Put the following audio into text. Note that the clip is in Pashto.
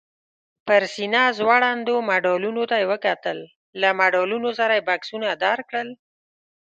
پر سینه ځوړندو مډالونو ته یې وکتل، له مډالونو سره یې بکسونه درکړل؟